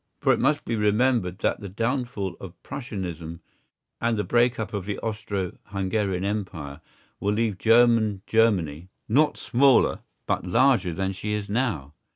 For it must be remembered that the downfall of Prussianism and the break up of the Austro Hungarian Empire, will leave German Germany not smaller but larger than she is now.